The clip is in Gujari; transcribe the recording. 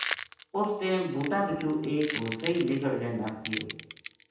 اُس ٹیم بوٹا بِچو ایک ہو سئی نِکڑ کے نس گیو